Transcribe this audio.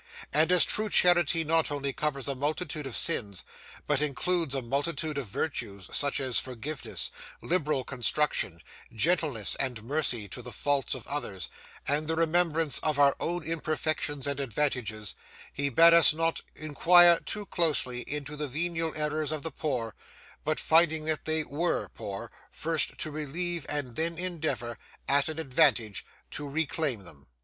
And as true charity not only covers a multitude of sins, but includes a multitude of virtues, such as forgiveness, liberal construction, gentleness and mercy to the faults of others, and the remembrance of our own imperfections and advantages, he bade us not inquire too closely into the venial errors of the poor, but finding that they were poor, first to relieve and then endeavour—at an advantage—to reclaim them.